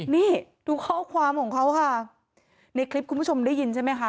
นี่ดูข้อความของเขาค่ะในคลิปคุณผู้ชมได้ยินใช่ไหมคะ